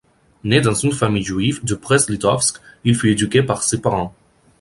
Né dans une famille juive de Brest-Litovsk, il fut éduqué par ses parents.